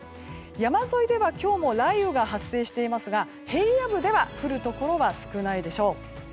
山沿いでは今日も雷雨が発生していますが平野部では降るところは少ないでしょう。